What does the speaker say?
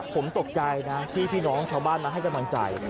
ผมตกใจนะที่พี่น้องชาวบ้านมาให้กำลังใจ